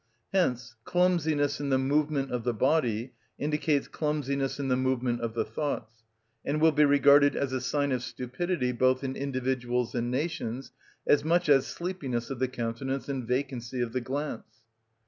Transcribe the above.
Hence clumsiness in the movement of the body indicates clumsiness in the movement of the thoughts, and will be regarded as a sign of stupidity both in individuals and nations, as much as sleepiness of the countenance and vacancy of the glance.